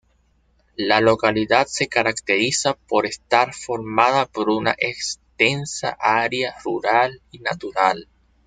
La localidad se caracteriza por estar formada por una extensa área rural y natural.